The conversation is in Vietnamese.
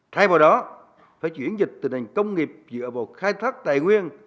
thay vào đó phải chuyển dịch từ nền công nghiệp dựa vào khai thác tài nguyên